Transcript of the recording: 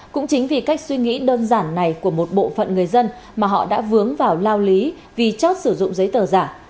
cũng chính vì cách suy nghĩ đơn giản này của một bộ phận người dân mà họ đã vướng vào lao lý vì chót sử dụng giấy tờ giả